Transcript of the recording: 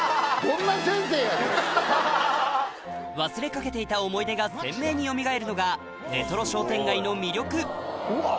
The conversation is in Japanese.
忘れかけていた思い出が鮮明によみがえるのがレトロ商店街の魅力うわ。